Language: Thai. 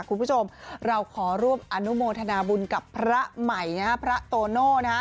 คุณผู้ชมเราขอร่วมอนุโมทนาบุญกับพระใหม่นะฮะพระโตโน่นะฮะ